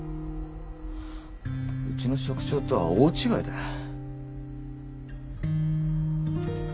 うちの職長とは大違いだ。